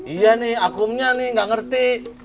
iya nih akumnya nih gak ngerti